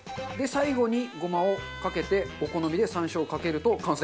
最後にごまをかけてお好みで山椒をかけると完成。